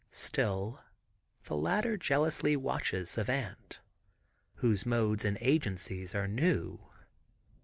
Still, the latter jealously watches Savant. Whose modes and agencies are new.